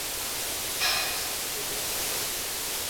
ভালবাসার মত দেখাইতেছে, বস্তুত ইহা ভালবাসা নয়।